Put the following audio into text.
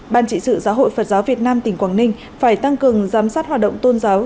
ban trị sự giáo hội phật giáo việt nam tỉnh quảng ninh phải tăng cường giám sát hoạt động tôn giáo